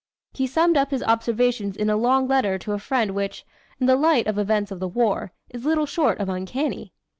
He summed up his observations in a long letter to a friend which, in the light of events of the War, is little short of uncanny.